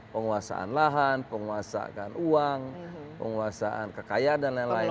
penguasaan lahan penguasaan uang penguasaan kekayaan dan lain lain